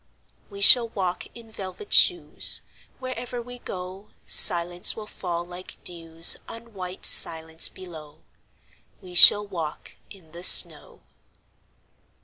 We shall walk in velvet shoes: Wherever we go Silence will fall like dews On white silence below. We shall walk in the snow.